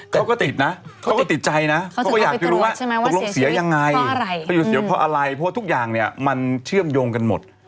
เขาก็ติดนะเขาก็ติดใจนะเขาก็อยากจะรู้ว่าตกลงเสียยังไงเขาจะเสียเพราะอะไรเพราะทุกอย่างเนี่ยมันเชื่อมโยงกันหมด